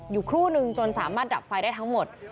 ครู่นึงจนสามารถดับไฟได้ทั้งหมด